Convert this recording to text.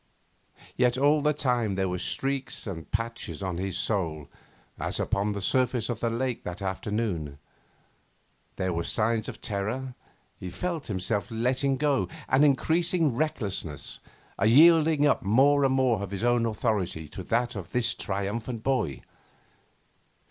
Yet all the time there were streaks and patches on his soul as upon the surface of the lake that afternoon. There were signs of terror. He felt himself letting go, an increasing recklessness, a yielding up more and more of his own authority to that of this triumphant boy.